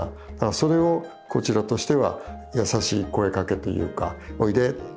それをこちらとしては優しい声かけというかおいでとか。